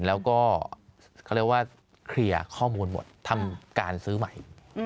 แล้วก็เคลียร์ข้อมูลหมดทำการซื้อใหม่